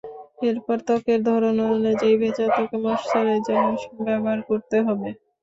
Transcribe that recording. এরপর ত্বকের ধরন অনুযায়ী ভেজা ত্বকে ময়েশ্চারাইজার লোশন ব্যবহার করতে হবে।